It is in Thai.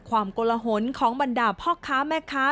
กลหนของบรรดาพ่อค้าแม่ค้า